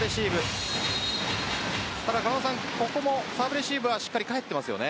ただ、ここもサーブレシーブはしっかり返ってますよね。